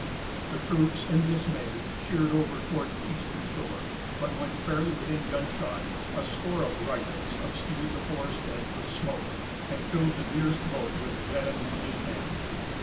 The troops, in dismay, sheered over towards the eastern shore; but, when fairly within gunshot, a score of rifles obscured the forest edge with smoke, and filled the nearest boat with dead and wounded men.